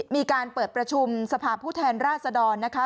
มีการเปิดประชุมสภาพผู้แทนราษดรนะคะ